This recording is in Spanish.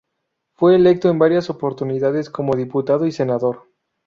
Fue electo en varias oportunidades como Diputado y Senador.